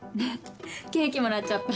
ケーキもらっちゃった。